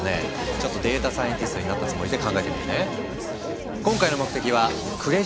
ちょっとデータサイエンティストになったつもりで考えてみるね。